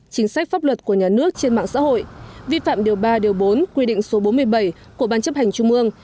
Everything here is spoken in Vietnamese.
chính sách pháp luật của nhà nước trên mạng xã hội vi phạm điều ba điều bốn quy định số bốn mươi bảy của ban chấp hành trung ương